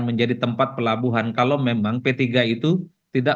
pengaruh pengaruh biasanya tidak boleh menyebut r bathrow adalah